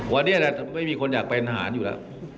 วันนี้ไม่มีคนอยากเป็นทหารอยู่แล้ว